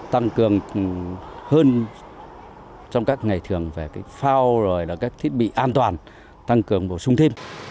tăng cường hơn trong các ngày thường về phao rồi các thiết bị an toàn tăng cường bổ sung thêm